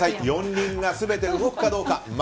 ４輪が全て動くかどうか。